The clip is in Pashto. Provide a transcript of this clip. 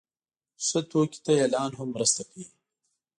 ښه توکي ته اعلان هم مرسته کوي.